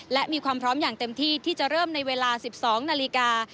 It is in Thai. และมีความพร้อมอย่างเต็มที่ที่จะเริ่มในเวลา๑๒นาฬิกา